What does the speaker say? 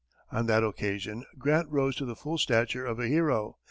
On that occasion, Grant rose to the full stature of a hero.